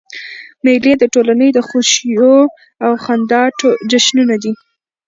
مېلې د ټولني د خوښیو او خندا جشنونه دي.